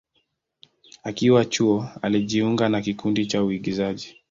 Akiwa chuo, alijiunga na kikundi cha uigizaji.